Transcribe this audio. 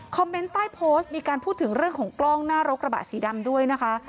เมนต์ใต้โพสต์มีการพูดถึงเรื่องของกล้องหน้ารถกระบะสีดำด้วยนะคะ